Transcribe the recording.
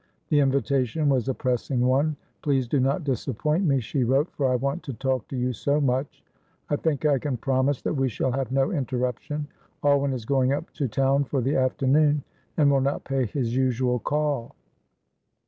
The invitation was a pressing one. "Please do not disappoint me," she wrote, "for I want to talk to you so much. I think I can promise that we shall have no interruption. Alwyn is going up to town for the afternoon, and will not pay his usual call."